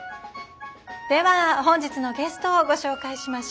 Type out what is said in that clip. では本日のゲストをご紹介しましょう。